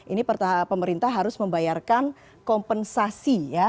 ini pemerintah harus membayarkan kompensasi ya